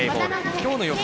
今日の予想